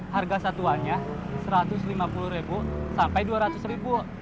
harga satuannya rp satu ratus lima puluh sampai rp dua ratus